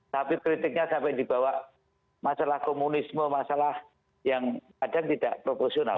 tapi kritiknya sampai dibawa masalah komunisme masalah yang kadang tidak proporsional